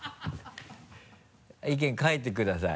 意見書いてください